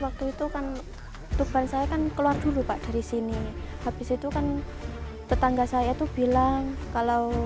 waktu itu kan tuban saya kan keluar dulu pak dari sini habis itu kan tetangga saya itu bilang kalau